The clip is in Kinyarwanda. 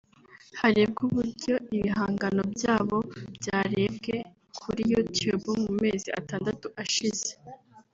harebwe uburyo ibihangano byabo byarebwe kuri YouTube mu mezi atandatu ashize